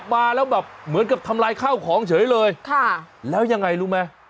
มาแล้วแบบเหมือนกับทำลายข้าวของเฉยเลยค่ะแล้วยังไงรู้ไหม